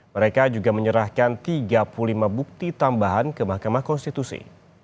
mereka juga menyerahkan tiga puluh lima bukti tambahan ke mahkamah konstitusi